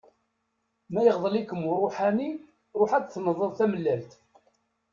Ma iɣḍel-ikem uruḥani, ruḥ ad tenḍeḍ tamellalt.